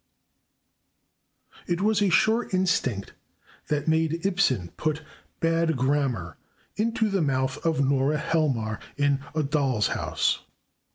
It was a sure instinct that made Ibsen put "bad grammar" into the mouth of Nora Helmar in "A Doll's House."